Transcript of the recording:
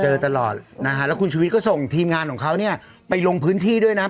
เจอตลอดนะฮะแล้วคุณชุวิตก็ส่งทีมงานของเขาเนี่ยไปลงพื้นที่ด้วยนะ